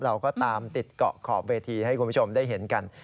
เราก็ตามติดเกาะขอบเวทีให้คุณผู้ชมได้เห็นกัน